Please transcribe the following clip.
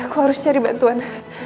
aku harus cari bantuan